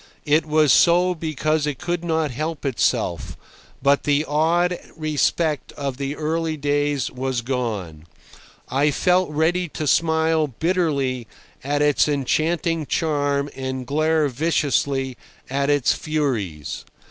It was so because it could not help itself, but the awed respect of the early days was gone. I felt ready to smile bitterly at its enchanting charm and glare viciously at its furies.